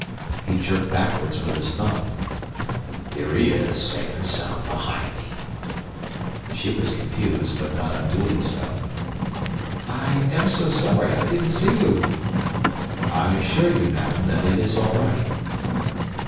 He jerked backwards with his thumb. "Here he is, safe and sound behind me." She was confused, but not unduly so. "I am so sorry, I didn't see you." "I assure you, madam, that it is all right."